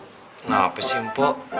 kenapa sih mpok